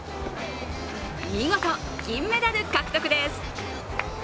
見事、銀メダル獲得です。